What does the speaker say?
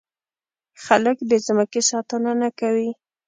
خلک د ځمکې ساتنه نه کوي.